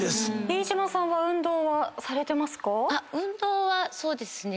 飯島さんは運動はされてますか？